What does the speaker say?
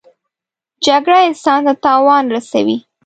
جګړه انسان ته تاوان رسوي